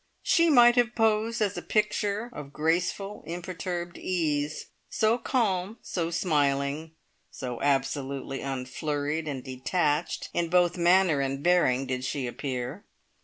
She might have posed as a picture of graceful, imperturbed ease, so calm, so smiling, so absolutely unflurried and detached in both manner and bearing did she appear.